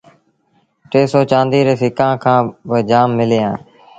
ٽي سئو چآنديٚ ري سِڪآݩ کآݩ با جآم ملينٚ هآ